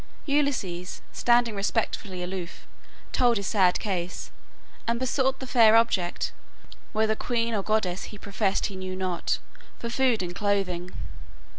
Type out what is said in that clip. Ulysses, standing respectfully aloof, told his sad case, and besought the fair object (whether queen or goddess he professed he knew not) for food and clothing.